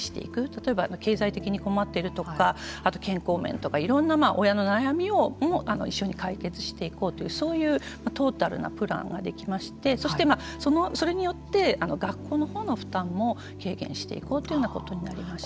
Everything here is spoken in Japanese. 例えば経済的に困っているとか健康面とかいろんな親の悩みも一緒に解決していこうというそういうトータルなプランができましてそして、それによって学校のほうの負担も軽減していこうというようなことになりました。